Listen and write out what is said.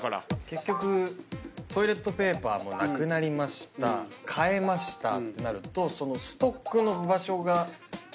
結局トイレットペーパーもなくなりました替えましたってなるとそのストックの場所が欠けるじゃないですか。